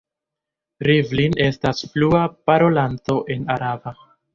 Rivlin estas flua parolanto en araba.